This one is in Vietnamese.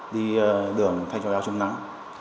đi đường thay cho áo chống nắng